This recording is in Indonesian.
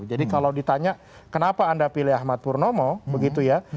jadi kalau ditanya kenapa anda pilih ahmad purnomo begitu ya